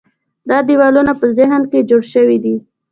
دا دیوالونه په ذهن کې جوړ شوي دي.